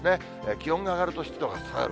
気温が上がると湿度が下がる。